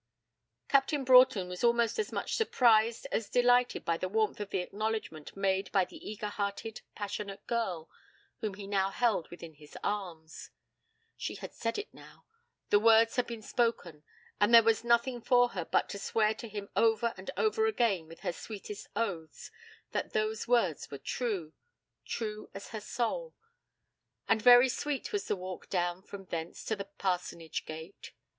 Captain Broughton was almost as much surprised as delighted by the warmth of the acknowledgment made by the eager hearted passionate girl whom he now held within his arms. She had said it now; the words had been spoken; and there was nothing for her but to swear to him over and over again with her sweetest oaths, that those words were true true as her soul. And very sweet was the walk down from thence to the parsonage gate.